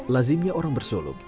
lazimnya orang bersuluk